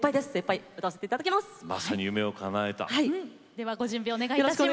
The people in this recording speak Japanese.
ではご準備お願いいたします。